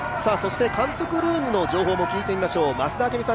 監督ルームの情報も聞いてみましょう。